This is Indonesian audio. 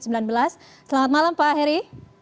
selamat malam pak heri